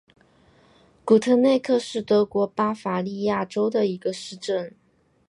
古特内克是德国巴伐利亚州的一个市镇。